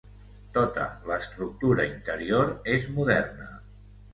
Tota l'estructura interior és moderna.